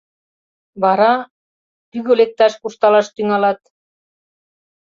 Вара... тӱгӧ лекташ куржталаш тӱҥалат.